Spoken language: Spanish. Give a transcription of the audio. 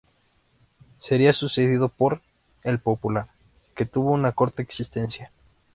Sería sucedido por "El Popular", que tuvo una corta existencia.